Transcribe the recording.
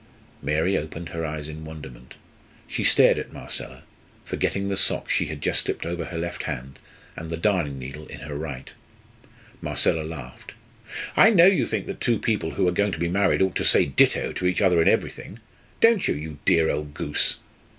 Mary opened her eyes in wonderment. She stared at Marcella, forgetting the sock she had just slipped over her left hand, and the darning needle in her right. Marcella laughed. "I know you think that two people who are going to be married ought to say ditto to each other in everything. Don't you you dear old goose?"